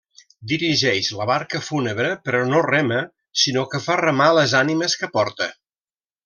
Dirigeix la barca fúnebre però no rema, sinó que fa remar les ànimes que porta.